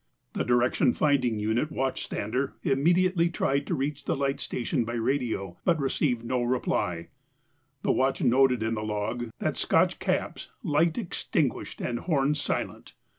The D/F Unit watchstander immediately tried to reach the light station by radio, but received no reply. The watch noted in the log that Scotch Cap's "light extinguished and horn silent".